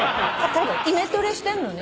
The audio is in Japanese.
イメトレしてんのね